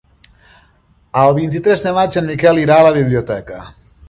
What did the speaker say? El vint-i-tres de maig en Miquel irà a la biblioteca.